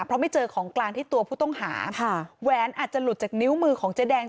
เพราะไม่เจอของกลางที่ตัวผู้ต้องหาค่ะแหวนอาจจะหลุดจากนิ้วมือของเจ๊แดง